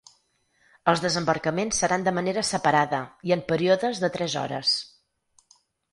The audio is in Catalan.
Els desembarcaments seran de manera separada i en períodes de tres hores.